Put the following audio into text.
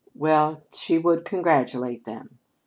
Well, she would congratulate them!